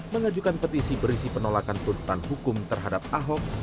mengajukan petisi berisi penolakan tuntutan hukum terhadap ahok